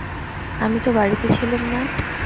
আমি তো বাড়িতে ছিলুম না।